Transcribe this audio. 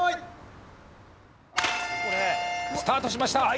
スタートしました！